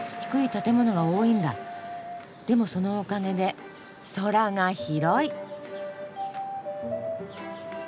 でもそのおかげで空が広い。